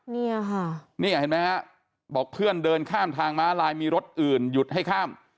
เนี่ยค่ะนี่เห็นไหมฮะบอกเพื่อนเดินข้ามทางม้าลายมีรถอื่นหยุดให้ข้าม